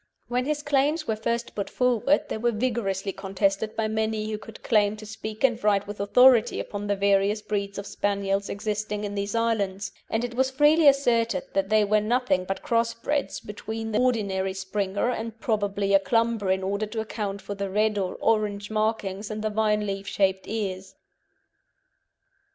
When his claims were first put forward they were vigorously contested by many who could claim to speak and write with authority upon the various breeds of Spaniels existing in these islands, and it was freely asserted that they were nothing but crossbreds between the ordinary Springer and probably a Clumber in order to account for the red or orange markings and the vine leaf shaped ears.